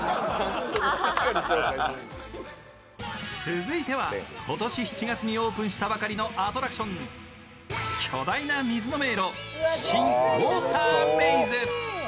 続いては、今年７月にオープンしたばかりのアトラクション、巨大な水の迷路・新ウォーター・メイズ。